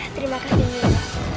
terima kasih nyiroh